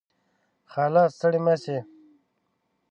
خاله . ستړې مشې